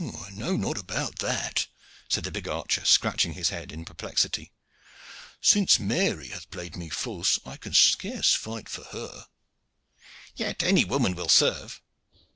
"I know not about that," said the big archer, scratching his head in perplexity. "Since Mary hath played me false, I can scarce fight for her." "Yet any woman will serve."